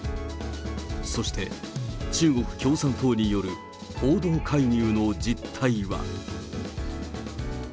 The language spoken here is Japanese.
そして、中国共産党による報道介入の実態は。